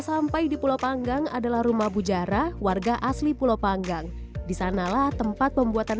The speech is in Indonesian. sampai di pulau panggang adalah rumah bujara warga asli pulau panggang disanalah tempat pembuatan